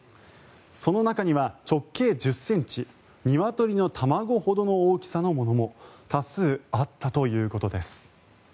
その中には直径１０ｃｍニワトリの卵ほどの大きさのものも多数あったということです。